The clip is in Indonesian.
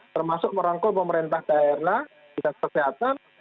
termasuk merangkul pemerintah daerah dinas kesehatan